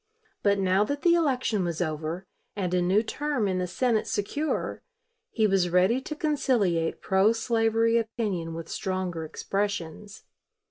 But now that the election was over and a new term in the Senate secure, he was ready to conciliate pro slavery opinion with stronger expressions.